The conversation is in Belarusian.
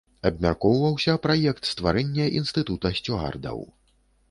Абмяркоўваўся праект стварэння інстытута сцюардаў.